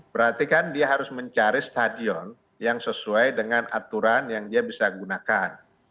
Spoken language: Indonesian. berarti kan dia harus mencari stadion yang sesuai dengan aturan yang dia bisa gunakan